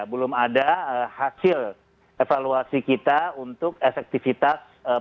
belum ada hasil evaluasi kita untuk efektivitas